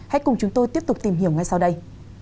hãy cùng chúng tôi tiếp tục tìm hiểu ngay sau đây